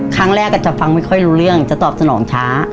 ครั้งแรกก็จะฟังไม่ค่อยรู้เรื่องจะตอบสนองช้า